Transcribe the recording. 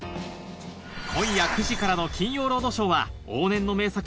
今夜９時からの『金曜ロードショー』は往年の名作